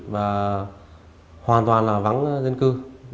và hoàn toàn là vắng dân cư